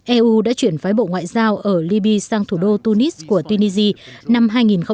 eu đã chuyển phái bộ ngoại giao ở libya sang thủ đô tonis của tunisia năm hai nghìn một mươi